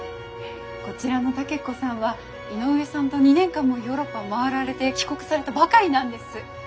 こちらの武子さんは井上さんと２年間もヨーロッパを回られて帰国されたばかりなんです。